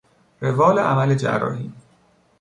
روال عمل جراحی